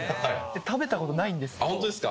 食べたことないんあ、本当ですか？